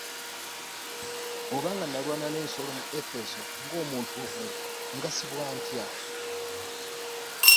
Oba nga nnalwana n'ensolo mu Efeso ng'omuntu obuntu, ngasibwa ntya?